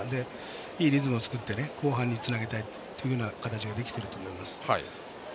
いいリズムを作って後半につなげたいというリズムができてると思います。